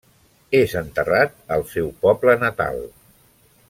És enterrat al seu poble natal.